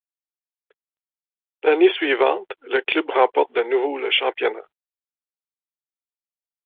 L'année suivante, le club remporte de nouveau le championnat.